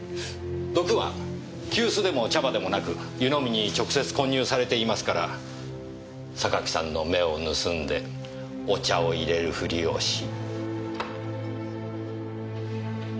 毒は急須でも茶葉でもなく湯飲みに直接混入されていますから榊さんの目を盗んでお茶をいれるふりをし。